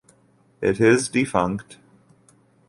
It is defunct.